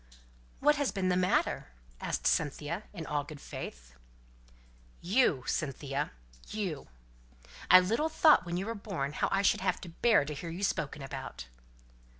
"What has been the matter?" asked Cynthia, in all good faith. "You! Cynthia you! I little thought when you were born how I should have to bear to hear you spoken about."